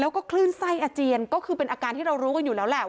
แล้วก็คลื่นไส้อาเจียนก็คือเป็นอาการที่เรารู้กันอยู่แล้วแหละ